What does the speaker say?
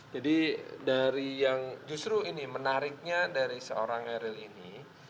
jadi dari yang justru ini menariknya dari seorang eril ini